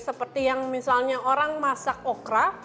seperti yang misalnya orang masak okra